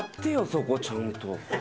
そこちゃんと。